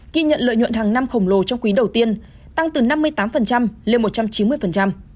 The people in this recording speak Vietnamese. ghi nhận lợi nhuận hàng năm khổng lồ trong quý đầu tiên tăng từ năm mươi tám lên một trăm chín mươi